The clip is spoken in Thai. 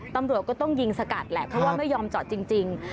ตำรวจก็ต้องยิงสกัดแหละเพราะว่าไม่ยอมจอดจริง